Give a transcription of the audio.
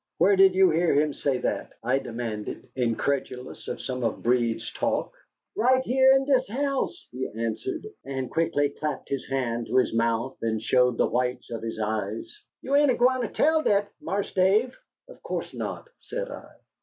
"Where did you hear him say that?" I demanded, incredulous of some of Breed's talk. "Right heah in dis house," he answered, and quickly clapped his hand to his mouth, and showed the whites of his eyes. "You ain't agwineter tell dat, Marse Dave?" "Of course not," said I.